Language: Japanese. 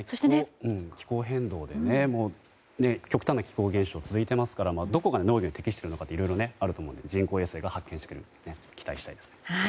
気候変動で極端な気候現象が続いていますからどこが農業に適しているのかを人工衛星が発見してくれるのを期待したいです。